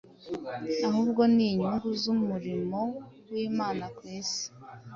ahubwo ni inyungu z’umurimo w’Imana ku si.